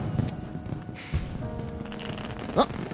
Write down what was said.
あっ。